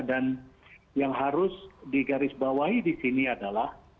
dan yang harus digarisbawahi disini adalah